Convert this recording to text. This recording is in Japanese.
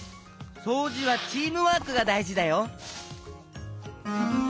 そうじはチームワークがだいじだよ。